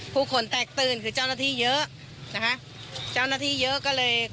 ผู้คนแตกตื่นคือเจ้าหน้าที่เยอะนะคะเจ้าหน้าที่เยอะก็เลย